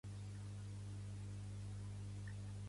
A més, és la seu de l'Església dels Amics a Ruanda.